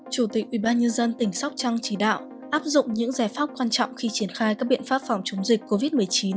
chủ tịch ubnd tỉnh sóc trăng chỉ đạo áp dụng những giải pháp quan trọng khi triển khai các biện pháp phòng chống dịch covid một mươi chín